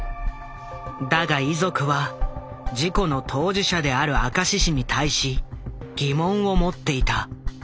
だが遺族は事故の当事者である明石市に対し疑問を持っていた。